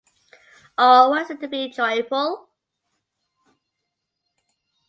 Or what is it to be joyful?